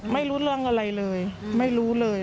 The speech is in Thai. ไม่รู้เรื่องอะไรเลยไม่รู้เลย